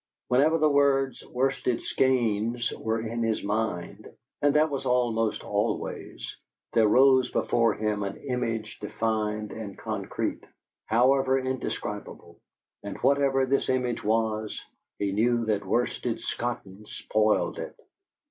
Whenever the words "Worsted Skeynes" were in his mind and that was almost always there rose before him an image defined and concrete, however indescribable; and what ever this image was, he knew that Worsted Scotton spoiled it.